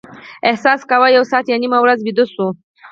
احساس کاوه یو ساعت یا نیمه ورځ ویده شوي.